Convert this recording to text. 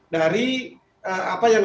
dari apa yang